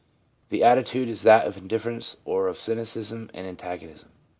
The attitude is that of indifference or of cynicism and antagonism.